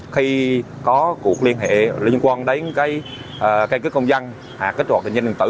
khi có cuộc liên hệ liên quan đến cây cước công dân hoặc kết hoạt định danh điện tử